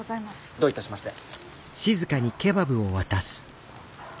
どういたしまして。